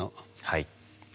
はい。